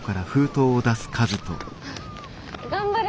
頑張れ。